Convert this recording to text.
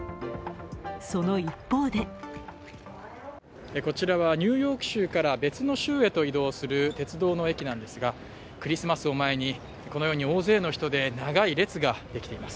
その一方でこちらはニューヨーク州から別の州へと移動する鉄道の駅なんですが、クリスマスを前にこのように大勢の人で長い列ができています。